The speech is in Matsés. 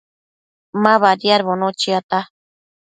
Ma badiadbono chiata